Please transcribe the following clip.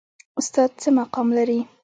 استاد څه مقام لري؟